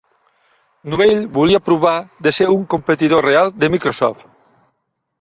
Novell volia provar de ser un competidor real de Microsoft.